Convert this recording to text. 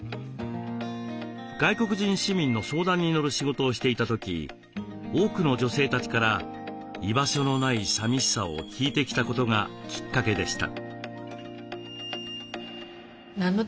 外国人市民の相談に乗る仕事をしていた時多くの女性たちから居場所のないさみしさを聞いてきたことがきっかけでした。